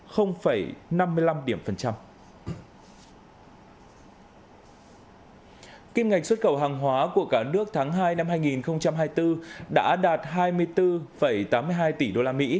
kim ngạch xuất khẩu hàng hóa của cả nước tháng hai năm hai nghìn hai mươi bốn đã đạt hai mươi bốn tám mươi hai tỷ usd